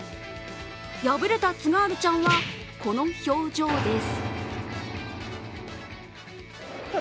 敗れたつがーるちゃんは、この表情です。